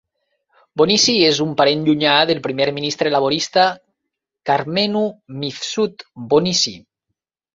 Bonnici és un parent llunyà del primer ministre laborista Karmenu Mifsud Bonnici.